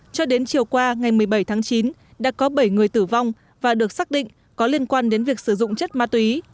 cho đến chiều qua ngày một mươi bảy tháng chín đã có bảy người tử vong và được xác định có liên quan đến việc sử dụng chất ma túy